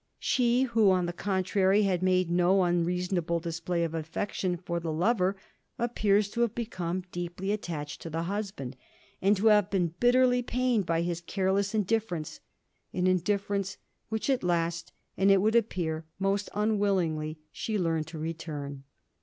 She, who, on the contrary, had made no unreasonable display of affection for the lover, appears to have become deeply attached to the husband, and to have been bitterly pained by his careless indifference, an indifference which at last, and it would appear most unwillingly, she learned to return.